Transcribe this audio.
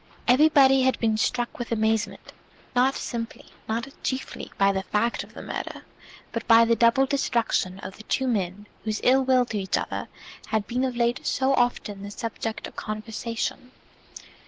Everybody had been struck with amazement, not simply, not chiefly, by the fact of the murder, but by the double destruction of the two men whose ill will to each other had been of late so often the subject of conversation.